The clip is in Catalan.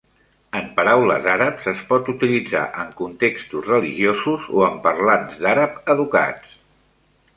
En paraules àrabs, es pot utilitzar en contextos religiosos o en parlants d'àrab educats.